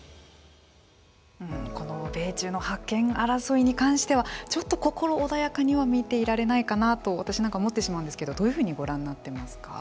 この米中の覇権争いに関してはちょっと心穏やかには見ていられないかなと私なんかは思ってしまうんですけどどういうふうにご覧になっていますか。